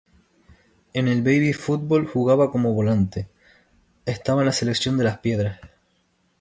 En el baby fútbol jugaba como volante, estaba en la selección de Las Piedras.